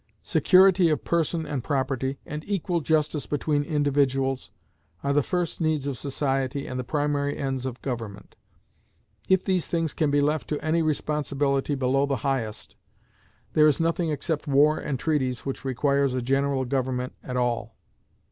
Security of person and property, and equal justice between individuals, are the first needs of society and the primary ends of government: if these things can be left to any responsibility below the highest, there is nothing except war and treaties which requires a general government at all.